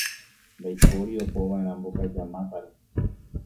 Ndaipóri opova'erã mbokaja mátare.